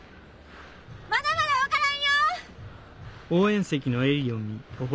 まだまだ分からんよ！